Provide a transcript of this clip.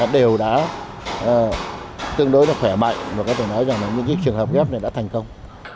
đều đã tương đối khỏe mạnh và có thể nói rằng những trường hợp ghép này đã thành công